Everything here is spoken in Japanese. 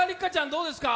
どうですか？